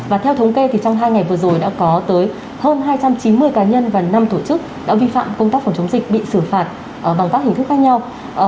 và theo thống kê thì trong hai ngày vừa rồi đã có tới hơn hai trăm chín mươi cá nhân và năm tổ chức đã vi phạm công tác phòng chống dịch bị xử phạt bằng các hình thức khác nhau